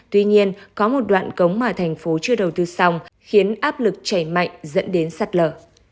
tuy nhiên có một đoạn cống mà thành phố chưa đầu tư xong khiến áp lực chảy mạnh dẫn đến sạt lở